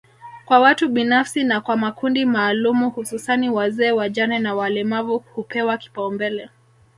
kwa watu binafsi na kwa makundi maalumu hususani wazee wajane na walemavu hupewa kipaumbele